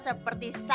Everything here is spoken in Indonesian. oh ini dia